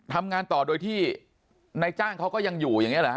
ทำงานต่อโดยที่นายจ้างเขาก็ยังอยู่อย่างนี้เหรอฮ